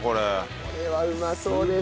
これはうまそうです。